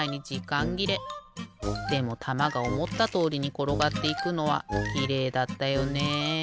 でもたまがおもったとおりにころがっていくのはきれいだったよね。